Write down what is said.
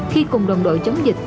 khi cùng đoàn đội chống dịch